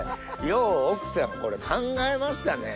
よう奥さんこれ考えましたね。